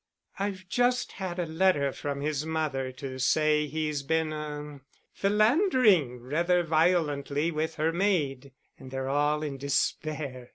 "I've just had a letter from his mother to say that he's been er, philandering rather violently with her maid, and they're all in despair.